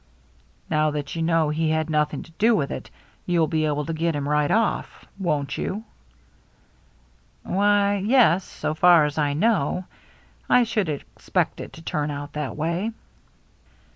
" Now that you know he had nothing to do with it, you'll be able to get him right off, won't you?" "Why — yes, so far as I know. I should expect it to turn out that way."